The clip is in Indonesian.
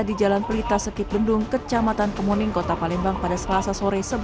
di jalan pelita sekip bendung kecamatan kemuning kota palembang pada selasa sore